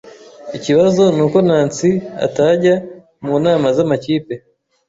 Ikibazo nuko Nancy atajya mu nama zamakipe.